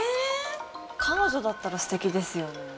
彼女だったら素敵ですよね。